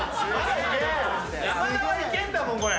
山田はいけんだもんこれ。